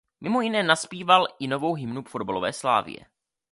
Mimo jiné nazpíval i novou hymnu fotbalové Slavie.